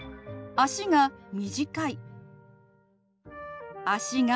「足が短い」。